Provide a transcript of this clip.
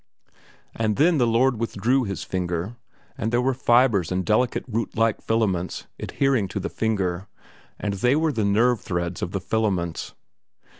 And then the Lord withdrew His finger, and there were fibres and delicate root like filaments adhering to the finger, and they were the nerve threads of the filaments.